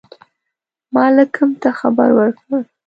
مالکم ته خبر ورکړ.